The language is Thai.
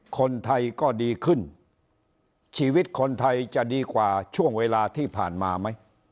คนไทยก็ดีขึ้นชีวิตคนไทยจะดีกว่าช่วงเวลาที่ผ่านมาไหม